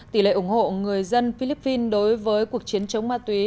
tỷ lệ ủng hộ người dân philippines đối với cuộc chiến chống ma túy